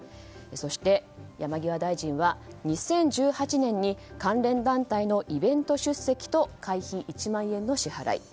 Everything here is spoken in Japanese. そして山際大臣は２０１８年に関連団体のイベント出席と会費１万円の支払い。